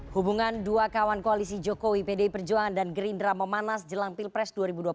hubungan dua kawan koalisi jokowi pdi perjuangan dan gerindra memanas jelang pilpres dua ribu dua puluh empat